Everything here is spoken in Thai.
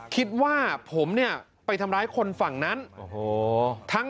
คิดว่าผมเนี่ยไปทำร้ายคนฝั่งนั้นโอ้โห